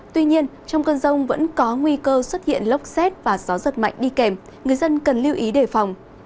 tuy nhiên trong cơn rông vẫn có nguy cơ xuất hiện lốc xét và gió giật mạnh đi kèm người dân cần lưu ý đề phòng